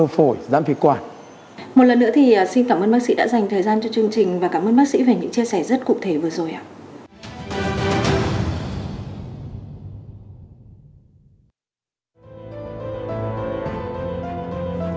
một lần nữa thì xin cảm ơn bác sĩ đã dành thời gian cho chương trình và cảm ơn bác sĩ về những chia sẻ rất cụ thể vừa rồi ạ